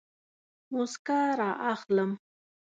موسکا رااخلم